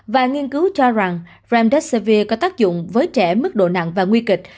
và nghiên cứu cho rằng frandesivir có tác dụng với trẻ mức độ nặng và nguy kịch